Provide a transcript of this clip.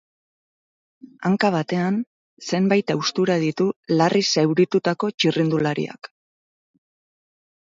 Hanka batean zenbait haustura ditu larri zauritutako txirrindulariak.